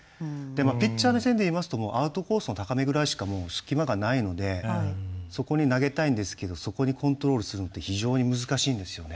ピッチャー目線で言いますとアウトコースの高めぐらいしか隙間がないのでそこに投げたいんですけどそこにコントロールするのって非常に難しいんですよね。